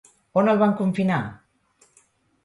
On el van confinar?